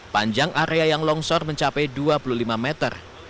panjang area yang longsor mencapai dua puluh lima meter